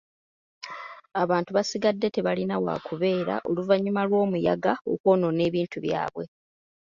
Abantu baasigadde tebalina waakubeera oluvannyuma lw'omuyaga okwonoona ebintu byabwe.